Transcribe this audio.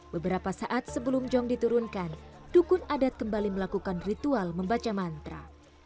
beberapa saat sebelum jong diturunkan dukun adat kembali melakukan ritual membaca mantra